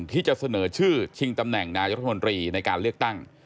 ที่จะเสนอชื่อชิงตำแหน่งนายรัฐมนตรีในการเลือกตั้ง